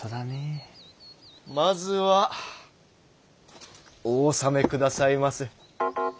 まずはお納めくださいませ。